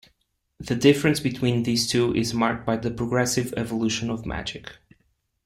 The difference between these two is marked by the progressive evolution of Magic.